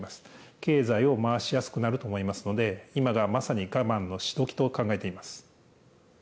経済を回しやすくなると思いますので、今がまさに我慢のし時と考えています。